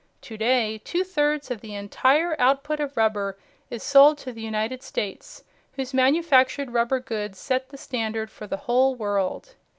To day, two thirds of the entire output of rubber is sold to the United States, whose manufactured rubber goods set the standard for the whole world.